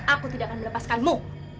aku tidak akan melepaskanmu